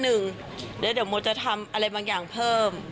เดี๋ยวโมจะทำอะไรบางอย่างเพิ่ม